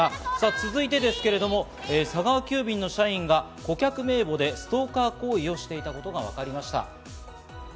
続いて佐川急便の社員が顧客名簿でストーカー行為をしていたことがわかりました。